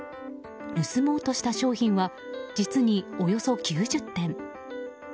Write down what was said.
盗もうとした商品は実におよそ９０点。